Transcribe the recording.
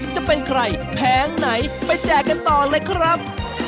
จะเป็นใครแผงไหนไปแจกกันต่อเลยครับ